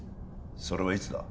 それはいつだ？